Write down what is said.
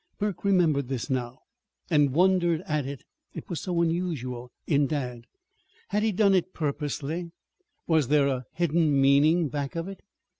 Burke remembered this now, and wondered at it. It was so unusual in dad. Had he done it purposely? Was there a hidden meaning back of it?